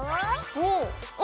お！